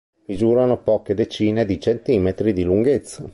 Misurano poche decine di centimetri di lunghezza.